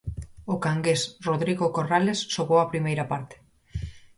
O cangués Rodrigo Corrales xogou a primeira parte.